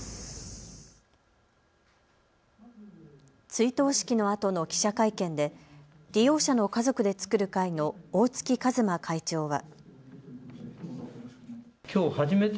追悼式のあとの記者会見で利用者の家族で作る会の大月和真会長は。